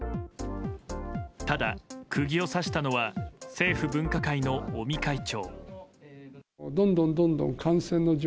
ただ、釘を刺したのは政府分科会の尾身会長。